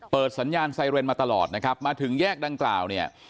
เปิดสัญญาณไซเรนมาตลอดนะครับมาถึงแยกดังกล่าวเนี่ย